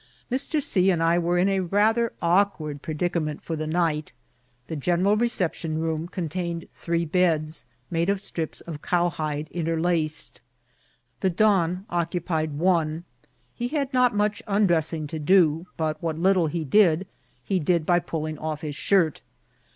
Mr. C. and I were in a rather awkward predicament for the night. The general reception room contained three beds, made of strips of cowhide interlaced. The don occupied one ; he had not much undressing to do, but what little he had, he did by pulling off his shirt.